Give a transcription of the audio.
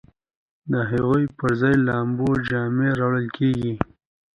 د هغو پر ځای د لامبو جامې راوړل کیږي